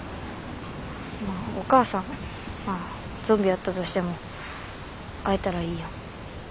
お母さんゾンビやったとしても会えたらいいやん。